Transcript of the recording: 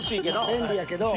便利やけど。